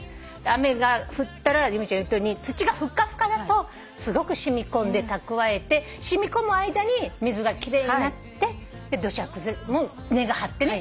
雨が降ったら由美ちゃんが言ったように土がふっかふかだとすごく染み込んで蓄えて染み込む間に水が奇麗になって土砂崩れも根が張ってね